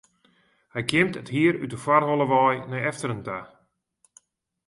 Hy kjimt it hier út de foarholle wei nei efteren ta.